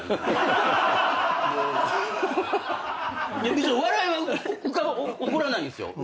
別に笑いは起こらないんですよ。